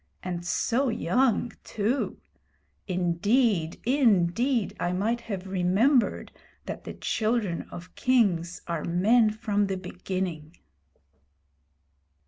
And so young too! Indeed, indeed, I might have remembered that the children of kings are men from the beginning.'